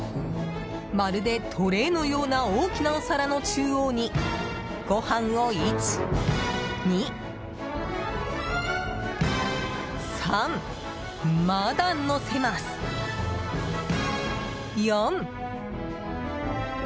まるでトレーのような大きなお皿の中央にご飯を１、２、３まだのせます、４。